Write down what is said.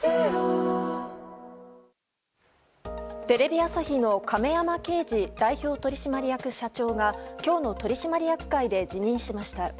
テレビ朝日の亀山慶二代表取締役社長が今日の取締役会で辞任しました。